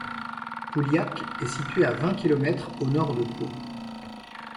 Pouliacq est située à vingt kilomètres au nord de Pau.